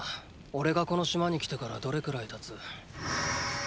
おれがこの島に来てからどれくらい経つ？